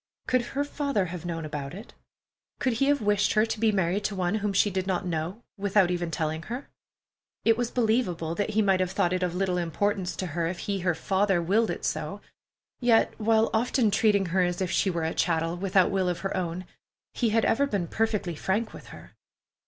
Could her father have known about it? Could he have wished her to be married to one whom she did not know, without even telling her? It was believable that he might have thought it of little importance to her, if he, her father, willed it so; yet while often treating her as if she were a chattel, without will of her own, he had ever been perfectly frank with her.